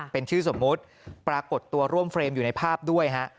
เป็นชื่อสมมุติปรากฏตัวร่วมเฟรมอยู่ในภาพด้วยฮะ